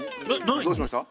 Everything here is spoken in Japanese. どうしました？